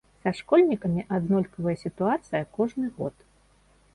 Са школьнікамі аднолькавая сітуацыя кожны год.